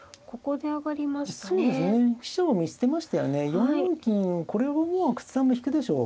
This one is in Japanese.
４四金これはもう阿久津さんが引くでしょう。